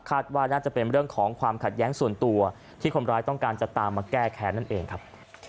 ว่าน่าจะเป็นเรื่องของความขัดแย้งส่วนตัวที่คนร้ายต้องการจะตามมาแก้แค้นนั่นเองครับ